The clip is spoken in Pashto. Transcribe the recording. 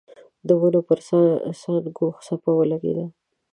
د ونو پر څانګو څپه ولګېده.